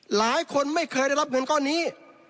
หลายคนไม่เคยได้รับเงินก้อนนี้